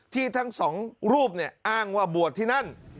ที่ทั้งสองรูปเนี่ยอ้างว่าบวชที่นั่น